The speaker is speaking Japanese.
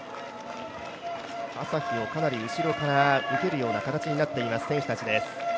朝日をかなり後ろから受ける形になっています、選手たちです。